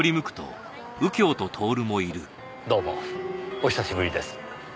どうもお久しぶりです。